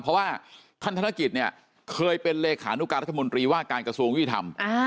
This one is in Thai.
เพราะว่าท่านธนกิจเนี่ยเคยเป็นเลขานุการรัฐมนตรีว่าการกระทรวงยุติธรรม